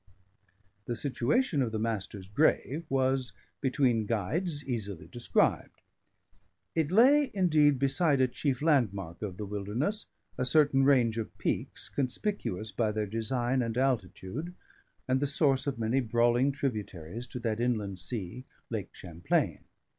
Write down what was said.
The situation of the Master's grave was, between guides, easily described; it lay, indeed, beside a chief landmark of the Wilderness, a certain range of peaks, conspicuous by their design and altitude, and the source of many brawling tributaries to that inland sea, Lake Champlain.